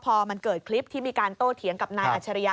พอมันเกิดคลิปที่มีการโต้เถียงกับนายอัชริยะ